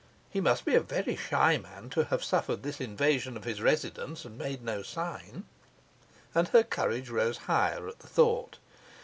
He must be a very shy man to have suffered this invasion of his residence, and made no sign; and her courage rose higher at the thought.